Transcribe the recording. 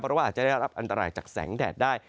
เพราะว่าอาจจะได้รับอันตรายจากแสงแดดได้